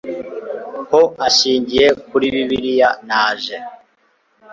ho ashingiye kuri Bibiliya Naje